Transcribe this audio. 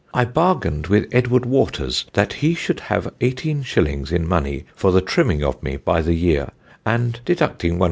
"I bargained with Edward Waters that he should have 18_s._ in money for the trimming of mee by the year, and deducting 1_s.